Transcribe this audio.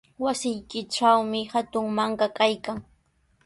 Wasiykitrawmi hatun mankaa kaykan.